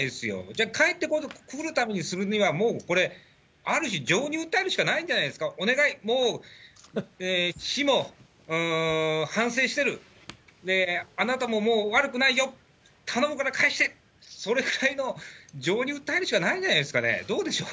じゃあ、返ってくるためにするにはもうこれ、ある種、情に訴えるしかないんじゃないですか、お願、もう、市も反省してる、あなたももう悪くないよ、頼むから返して！っていう、それぐらいの情に訴えるしかないんじゃないですかね。